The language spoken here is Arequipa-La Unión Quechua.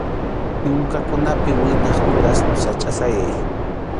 Yunkakunapi wiñaq durazno sachʼa sayay.